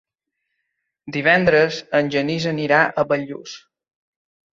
Divendres en Genís anirà a Bellús.